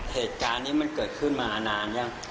เหตุการณ์นี้มันเกิดขึ้นมานานยัง